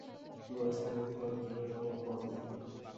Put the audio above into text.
গোরস্থানের ভেতর কেউ এরকম গরম দেখায় না।